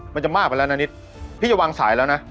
มันจะมากไปแล้วนะนิดพี่จะวางสายแล้วนะ